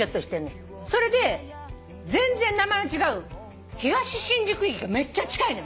それで全然名前の違う東新宿駅がめっちゃ近いのよ。